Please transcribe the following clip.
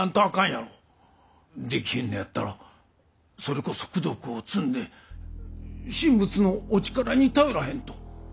できひんのやったらそれこそ功徳を積んで神仏のお力に頼らへんと。